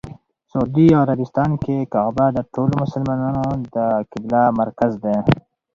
سعودي عربستان کې کعبه د ټولو مسلمانانو د قبله مرکز دی.